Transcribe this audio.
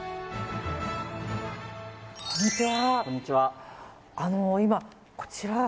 こんにちは。